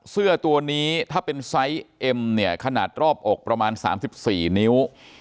เสื้อตัวนี้ถ้าเป็นไซส์เอ็มเนี่ยขนาดรอบอกประมาณ๓๔นิ้ว